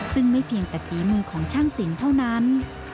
ซึ่งไม่เพียงแต่ฝีมือของช่างสินเท่านั้น